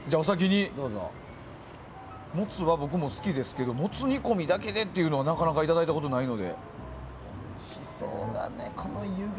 僕はモツは好きですけどモツ煮込みだけでってなかなかいただいたことがないので。